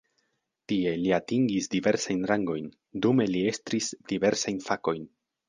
Tie li atingis diversajn rangojn, dume li estris diversajn fakojn.